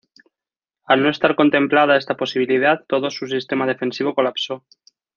Al no estar contemplada esta posibilidad todo su sistema defensivo colapsó.